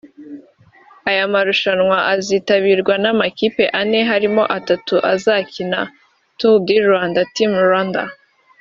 Aya marushanwa azitabirwa n’amakipe ane harimo atatu azakina Tour du Rwanda (Team Rwanda